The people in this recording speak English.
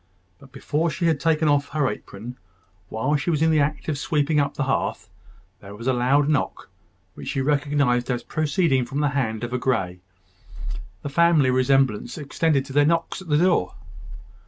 But before she had taken off her apron, while she was in the act of sweeping up the hearth, there was a loud knock, which she recognised as proceeding from the hand of a Grey. The family resemblance extended to their knocks at the door.